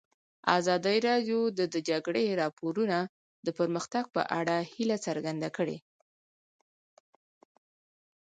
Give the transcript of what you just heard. ازادي راډیو د د جګړې راپورونه د پرمختګ په اړه هیله څرګنده کړې.